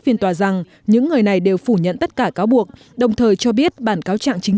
phiên tòa rằng những người này đều phủ nhận tất cả cáo buộc đồng thời cho biết bản cáo trạng chính